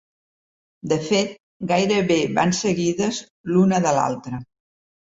De fet, gairebé van seguides l’una de l’altra.